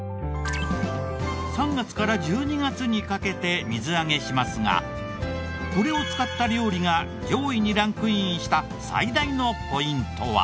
３月から１２月にかけて水揚げしますがこれを使った料理が上位にランクインした最大のポイントは。